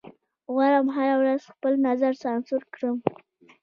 غواړم هره ورځ خپل نظر سانسور کړم